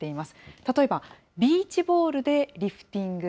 例えばビーチボールでリフティング。